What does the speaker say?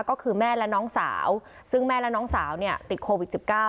ก็คือแม่และน้องสาวซึ่งแม่และน้องสาวเนี่ยติดโควิด๑๙